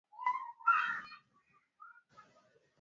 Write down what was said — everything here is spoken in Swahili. Tawala za kifalme zilikuwa zikitumika kuwangonza watu wa visiwa hivyo